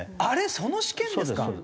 あれその試験ですか？